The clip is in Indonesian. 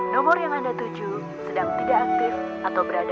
nomor yang anda tuju sedang tidak aktif atau berada